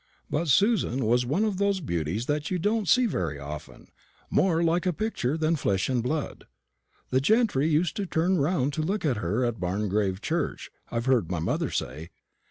But Susan was one of those beauties that you don't see very often more like a picture than flesh and blood. The gentry used to turn round to look at her at Barngrave church, I've heard my mother say.